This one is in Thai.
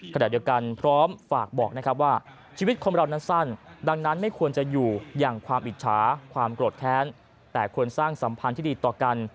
ขณะเดียวกันพร้อมฝากบอกนะครับว่าชีวิตคนเรานั้นสั้นดังนั้นไม่ควรจะอยู่อย่างความอิจฉาความโกรธแค้นแต่ควรสร้างสัมพันธ์ที่ดีต่อกัน